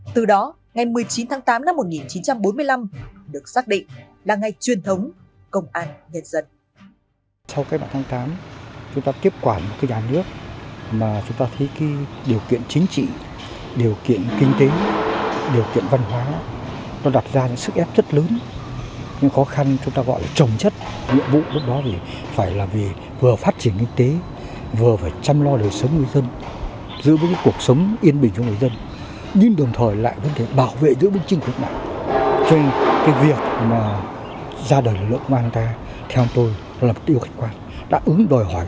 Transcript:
từ đó ngày một mươi chín tháng tám năm một nghìn chín trăm bốn mươi năm được xác định là ngày truyền thống công an nhân dân